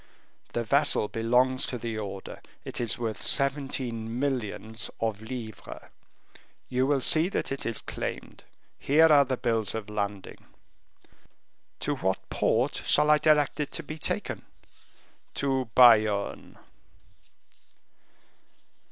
The vessel belongs to the order; it is worth seventeen millions of livres; you will see that it is claimed; here are the bills of landing." "To what port shall I direct it to be taken?" "To Bayonne."